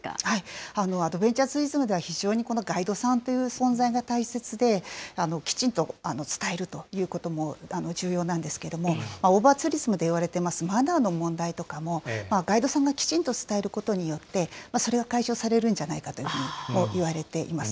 アドベンチャーツーリズムでは、非常にこのガイドさんという存在が大切で、きちんと伝えるということも重要なんですけれども、オーバーツーリズムでいわれていますマナーの問題とかも、ガイドさんがきちんと伝えることによって、それは解消されるんじゃないかというふうにもいわれています。